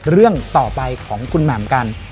เรื่องต่อไปของคุณแหม่มกัน